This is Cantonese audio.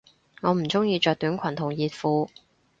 我唔鍾意着短裙同熱褲